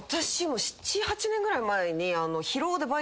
私も７８年ぐらい前に。